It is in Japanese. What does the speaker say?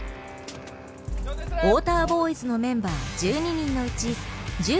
ウォーターボーイズのメンバー１２人のうち１０人が公務員。